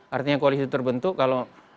artinya koalisi terbentuk kalau